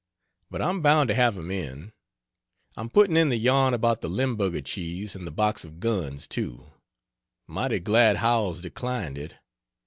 But I'm bound to have him in. I'm putting in the yarn about the Limburger cheese and the box of guns, too mighty glad Howells declined it.